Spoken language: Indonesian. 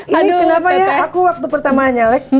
ini kenapa ya aku waktu pertama nyalek